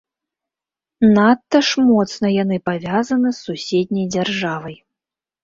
Надта ж моцна яны павязаны з суседняй дзяржавай.